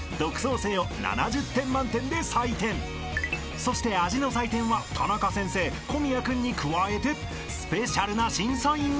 ［そして味の採点はタナカ先生小宮君に加えてスペシャルな審査員が］